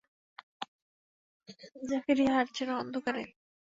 জাকারিয়া হাঁটছেন অন্ধকারে।